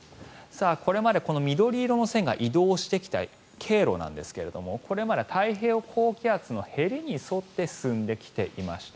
これまで、緑色の線が移動してきた経路なんですがこれまで太平洋高気圧のへりに沿って進んできていました。